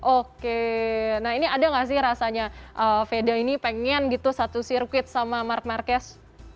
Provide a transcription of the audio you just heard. oke nah ini ada gak sih rasanya veda ini pengen gitu satu sirkuit sama mark marquez